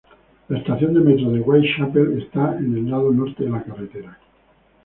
La estación de metro de Whitechapel está en el lado norte de la carretera.